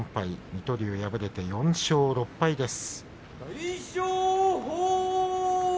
水戸龍、敗れて４勝６敗です。